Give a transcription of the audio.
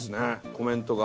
コメントが。